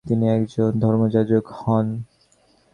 তিনি একজন ধর্মযাজক হন।